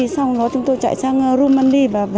sau đó chúng tôi chạy sang rumia